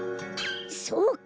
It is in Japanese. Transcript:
そうか！